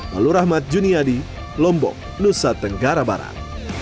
lalu rahmat juniadi lombok nusa tenggara barat